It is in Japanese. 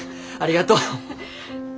ありがとう！